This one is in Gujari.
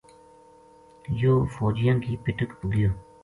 یوہ فوجیاں کی پٹک پو گیو